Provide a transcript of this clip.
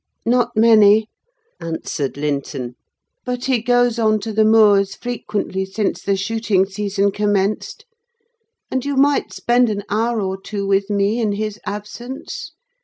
"Not many," answered Linton; "but he goes on to the moors frequently, since the shooting season commenced; and you might spend an hour or two with me in his absence.